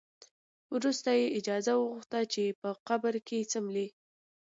وروسته یې اجازه وغوښته چې په قبر کې څملي.